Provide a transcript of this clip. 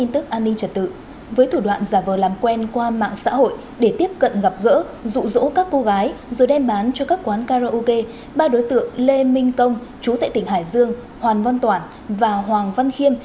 trong đoạn karaoke ba đối tượng lê minh công chú tại tỉnh hải dương hoàng văn toản và hoàng văn khiêm